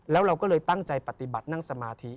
แล้วเราก็เลยตั้งใจปฏิบัตินั่งสมาธิ